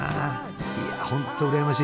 いや本当うらやましい！